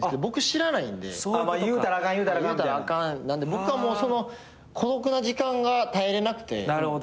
僕はもうその孤独な時間が耐えれなくて。